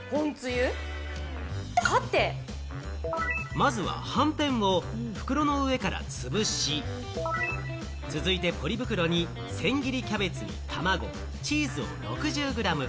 まずは、はんぺんを袋の上からつぶし、続いてポリ袋に千切りキャベツに卵、チーズを６０ｇ。